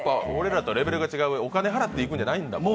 俺らとレベルが違うお金を払っていくんじゃないんだ。